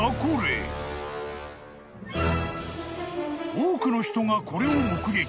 ［多くの人がこれを目撃。